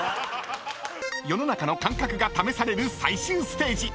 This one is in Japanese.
［世の中の感覚が試される最終ステージ］